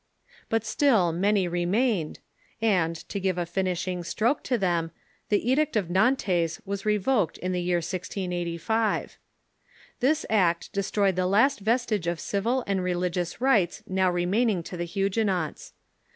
But still many remained, and, to give a finishing stroke to them, the Edict of Nantes was re voked in the year 1685. This act destroyed the last vestige of civil and religious rights now remaining to the Huguenots.